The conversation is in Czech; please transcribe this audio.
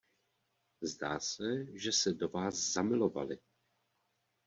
Zdá se, že se do vás zamilovali.